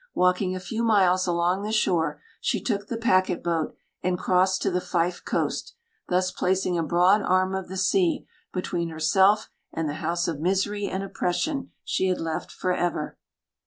Walking a few miles along the shore, she took the packet boat, and crossed to the Fife coast, thus placing a broad arm of the sea between herself and the house of misery and oppression she had left for ever.